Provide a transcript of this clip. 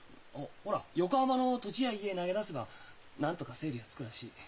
ほら横浜の土地や家投げ出せばなんとか整理はつくらしい。